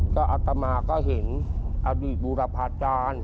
ก็อัตมาก็เห็นอดีตบูรพาจารย์